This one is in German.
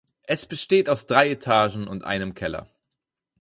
Es besteht aus drei Etagen und einem Keller.